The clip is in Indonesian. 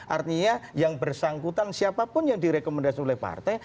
artinya yang bersangkutan siapapun yang direkomendasi oleh partai